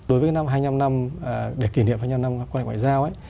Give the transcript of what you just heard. đối với năm hai mươi năm năm để kỷ niệm hai mươi năm năm quan hệ ngoại giao ấy